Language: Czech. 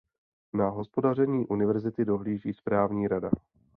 Na hospodaření univerzity dohlíží správní rada.